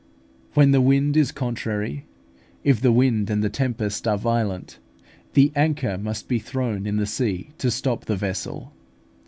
When the wind is contrary, if the wind and the tempest are violent, the anchor must be thrown in the sea to stop the vessel.